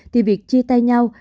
thì việc chia tay nhau